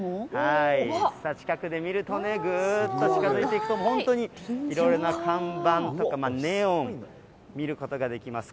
近くで見るとね、ぐっと近づいていくと、本当にいろいろな看板とかネオン、見ることができます。